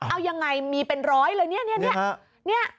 เอายังไงมีเป็นร้อยเลยเนี่ย